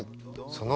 その。